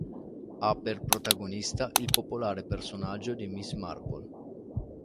Ha per protagonista il popolare personaggio di Miss Marple.